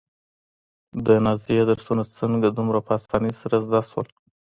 د نازيې درسونه څنګه دومره په اسانۍ سره زده شول؟